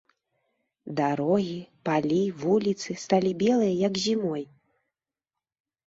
Дарогі, палі, вуліцы сталі белыя, як зімой.